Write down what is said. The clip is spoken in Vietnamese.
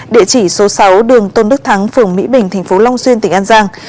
địa chỉ số sáu đường tôn đức thắng phường mỹ bình tp long xuyên tỉnh an giang